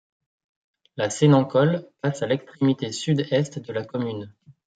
La Sénancole passe à l'extrémité sud-est de la commune.